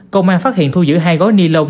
công an phát hiện thu giữ hai gói ni lông